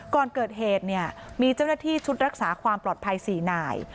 ก่อนเกิดเหตุเนี่ยมีเจ้าหน้าที่ชุดรักษาความปลอดภัย๔นาย